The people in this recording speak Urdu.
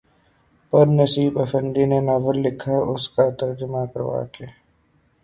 پر نسیب آفندی نے ناول لکھا، اس کا ترجمہ کروا کے